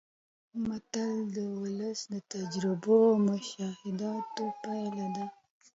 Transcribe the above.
متل د ولس د تجربو او مشاهداتو پایله ده